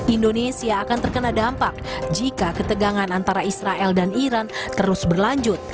indonesia akan terkena dampak jika ketegangan antara israel dan iran terus berlanjut